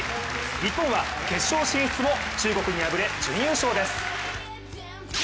日本は決勝進出も中国に敗れ準優勝です。